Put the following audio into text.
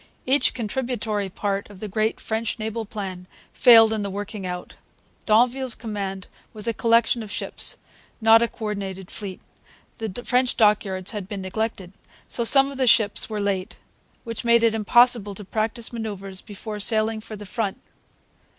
Each contributory part of the great French naval plan failed in the working out. D'Anville's command was a collection of ships, not a co ordinated fleet. The French dockyards had been neglected; so some of the ships were late, which made it impossible to practise manoeuvres before sailing for the front.